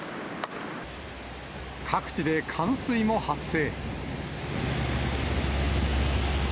各地で冠水も発生。